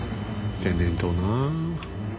天然痘なあ。